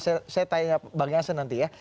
saya tanya bang jansen nanti ya